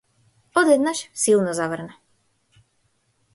Одеднаш силно заврна.